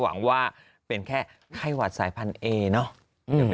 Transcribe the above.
หวังว่าเป็นแค่ไข้หวัดสายพันธุ์เอเนอะ